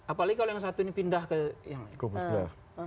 apalagi kalau yang satu ini pindah ke yang lain